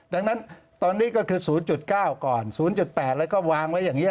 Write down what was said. ดังนั้นตอนนี้ก็คือ๐๙ก่อน๐๘แล้วก็วางไว้อย่างนี้